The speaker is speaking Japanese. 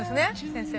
先生。